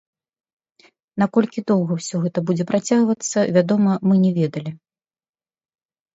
Наколькі доўга ўсё гэта будзе працягвацца, вядома, мы не ведалі.